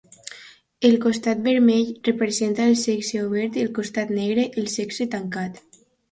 El costat vermell representa el sexe obert i el costat negre, el sexe tancat.